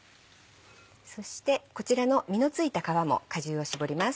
そしてこちらの実の付いた皮も果汁を搾ります。